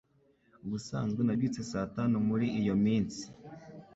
Ubusanzwe nabyutse saa tanu muri iyo minsi